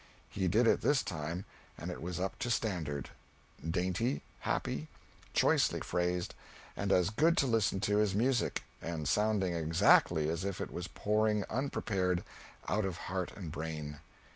He did it this time, and it was up to standard: dainty, happy, choicely phrased, and as good to listen to as music, and sounding exactly as if it was pouring unprepared out of heart and brain.